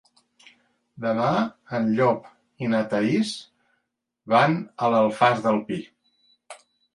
Demà en Llop i na Thaís van a l'Alfàs del Pi.